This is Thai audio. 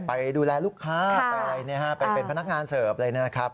ไปดูแลลูกค้าไปอะไรไปเป็นพนักงานเสิร์ฟเลยนะครับ